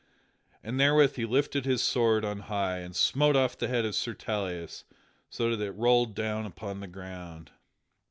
And therewith he lifted his sword on high and smote off the head of Sir Tauleas so that it rolled down upon the ground.